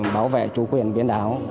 bảo vệ chủ quyền biển đảo